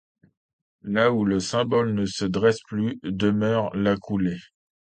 Là où le symbole ne se dresse plus, demeure la coulée.